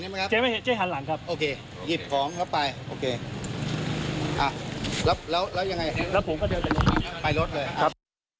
ไปรถเลยครับ